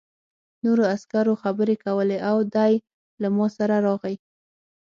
نورو عسکرو خبرې کولې او دی له ما سره راغی